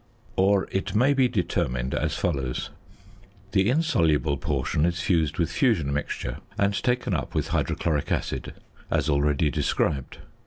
Or it may be determined as follows: The insoluble portion is fused with fusion mixture, and taken up with hydrochloric acid, as already described.